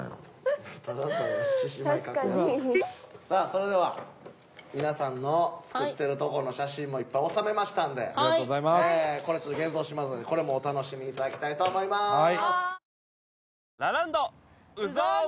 さあそれでは皆さんの作ってるとこの写真もいっぱい収めましたんでこれちょっと現像しますんでこれもお楽しみ頂きたいと思いまーす。